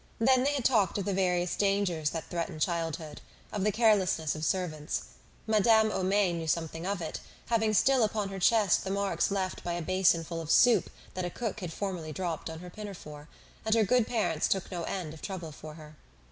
Then they had talked of the various dangers that threaten childhood, of the carelessness of servants. Madame Homais knew something of it, having still upon her chest the marks left by a basin full of soup that a cook had formerly dropped on her pinafore, and her good parents took no end of trouble for her.